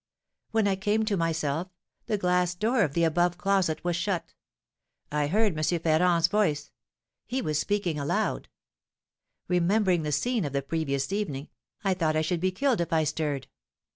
When I came to myself, the glass door of the above closet was shut. I heard M. Ferrand's voice, he was speaking aloud. Remembering the scene of the previous evening, I thought I should be killed if I stirred.